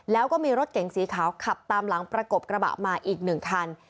แล้วก็มีรถเก๋งสีขาวขับตามหลังประกบกระบะมาอีกหนึ่งคัน